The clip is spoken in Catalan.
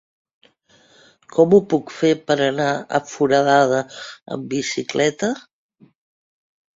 Com ho puc fer per anar a Foradada amb bicicleta?